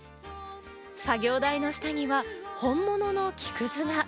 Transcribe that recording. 作業台の下には本物の木くずが。